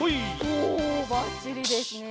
おおばっちりですね。